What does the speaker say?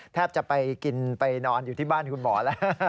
แทบจะไปกินไปนอนอยู่ที่บ้านคุณหมอแล้ว